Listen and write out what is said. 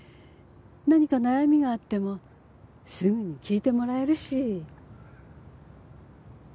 何か悩みがあってもすぐに聞いてもらえるし。